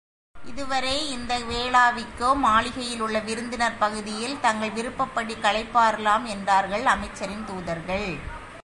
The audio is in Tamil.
அதுவரை இந்த வேளாவிக்கோமாளிகையில் உள்ள விருந்தினர் பகுதியில் தங்கள் விருப்பப்படி களைப்பாறலாம் என்றார்கள் அமைச்சரின் தூதர்கள்.